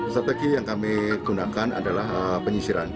strategi yang kami gunakan adalah penyisiran